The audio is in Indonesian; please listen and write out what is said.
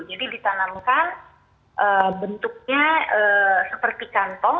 jadi ditanamkan bentuknya seperti kantong